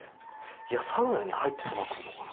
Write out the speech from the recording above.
いやサウナに入ってそば食うのかな？